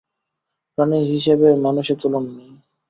প্রাণী হিসেবে মানুষের তুলনা নেই।